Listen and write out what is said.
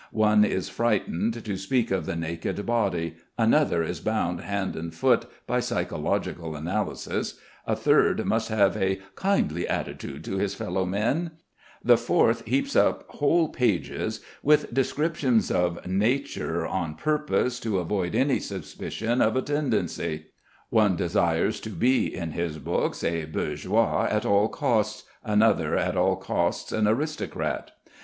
One is frightened to speak of the naked body, another is bound hand and foot by psychological analysis, a third must have "a kindly attitude to his fellow men," the fourth heaps up whole pages with descriptions of nature on purpose to avoid any suspicion of a tendency.... One desires to be in his books a bourgeois at all costs, another at all costs an aristocrat.